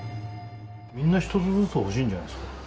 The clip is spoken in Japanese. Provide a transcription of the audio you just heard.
みんな１つずつ欲しいんじゃないですか。